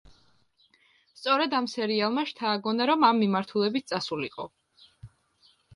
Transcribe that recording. სწორედ ამ სერიალმა შთააგონა, რომ ამ მიმართულებით წასულიყო.